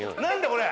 これ。